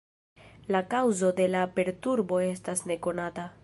La kaŭzo de la perturbo estas nekonata.